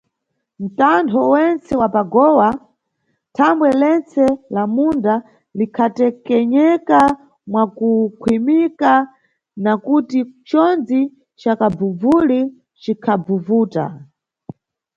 Ntantho wentse wa pa gowa, thambwe lentse lammunda likhatekenyeka mwakukhwimika, nakuti conzi ca kabvumvuli cikhavuvuta.